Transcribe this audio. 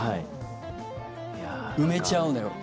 埋めちゃうのよ。